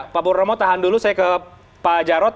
pak purnomo tahan dulu saya ke pak jarod